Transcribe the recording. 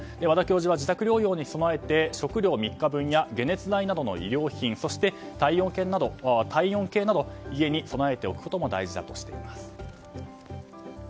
和田教授は自宅療養に備えて食料３日分や解熱剤などの医療品そして体温計など家に備えておくことも大事だとしています。